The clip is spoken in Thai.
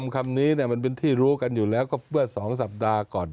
คำนี้มันเป็นที่รู้กันอยู่แล้วก็เมื่อ๒สัปดาห์ก่อน